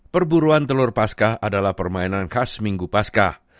perburuan telur paskah adalah permainan khas minggu paskah